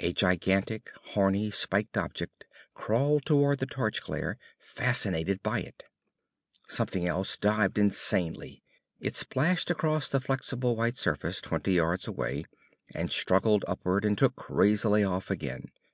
A gigantic, horny, spiked object crawled toward the torch glare, fascinated by it. Something else dived insanely. It splashed upon the flexible white surface twenty yards away, and struggled upward and took crazily off again.